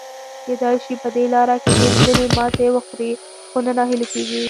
کېدای شي په دې لاره کې ډېر ځلي ماتې وخوري، خو نه ناهیلي کیږي.